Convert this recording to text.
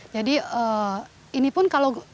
jadi ini pun kalau